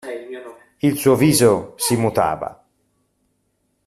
Il suo viso si mutava.